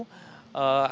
jadi kita masih menunggu